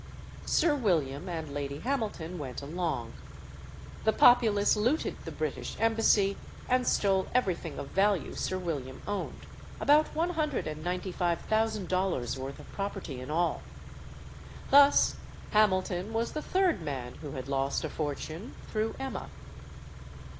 Sir William and Lady Hamilton went along. The populace looted the British embassy and stole everything of value Sir William owned about one hundred and ninety five thousand dollars' worth of property in all. Thus, Hamilton was the third man who had lost a fortune through Emma.